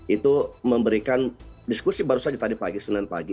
itu memberikan diskusi baru saja tadi pagi senin pagi